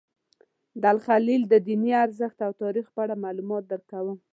د الخلیل د دیني ارزښت او تاریخ په اړه معلومات درکوم.